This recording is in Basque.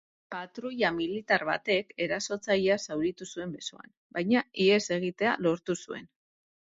Patruila militar batek erasotzailea zauritu zuen besoan, baina ihes egitea lortu zuen.